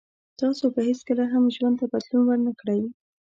تاسو به هیڅکله هم ژوند ته بدلون ور نه کړی